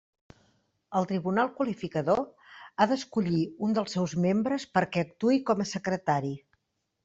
El tribunal qualificador ha d'escollir un dels seus membres perquè actuï com a secretari.